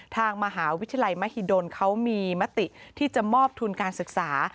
ทางมหาวิทยาลัยมหิดลเขามีมติที่จะมอบทุนการศึกษา